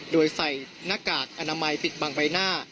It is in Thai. โดยใส่หน้ากากอนามัยปิดบังใบหน้า